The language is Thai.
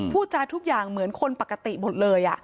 พูดจาทุกอย่างเหมือนคนปกติหมดเลย